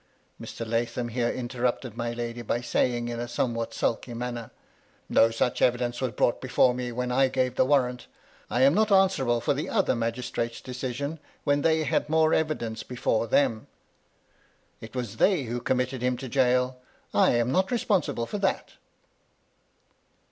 Mr. Lathom here interrupted my lady, by saying, in a somewhat sulky manner, — MY LADY LUDLOW. 57 "No such evidence was brought before me when I gave the warrant. I am not answerable for the other magistrates' decision, when they had more evidence before them. It was they who committed him to gaoh I am not responsible for that."